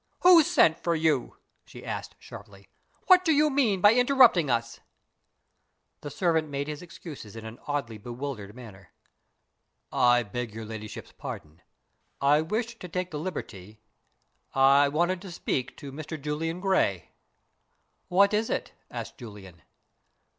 "Who sent for you?" she asked, sharply. "What do you mean by interrupting us?" The servant made his excuses in an oddly bewildered manner. "I beg your ladyship's pardon. I wished to take the liberty I wanted to speak to Mr. Julian Gray." "What is it?" asked Julian.